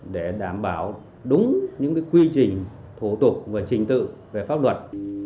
để đảm bảo đúng những quy trình thủ tục và trình tự về pháp luật